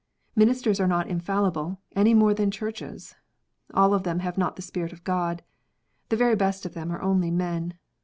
Ministers are not infallible, any more than Churches. All of them have not the Spirit of God. The very best of them are only men.